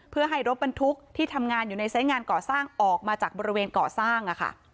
เพื่อให้รถบรรทุกที่ทำงานอยู่ในไซส์งานก่อสร้างออกมาจากบริเวณก่อสร้าง